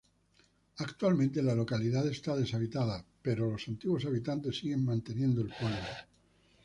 Actualmente la localidad está deshabitada, pero los antiguos habitantes siguen manteniendo el pueblo.